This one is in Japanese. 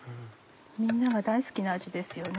みんなが大好きな味ですよね。